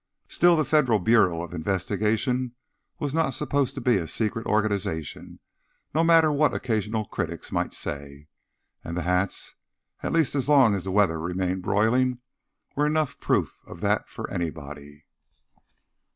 Still, the Federal Bureau of Investigation was not supposed to be a secret organization, no matter what occasional critics might say. And the hats, at least as long as the weather remained broiling, were enough proof of that for anybody.